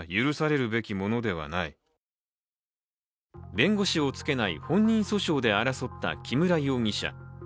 弁護士をつけない本人訴訟で争った木村容疑者。